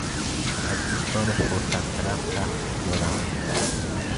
از دوستان فرصت طلب سخت بیزارم.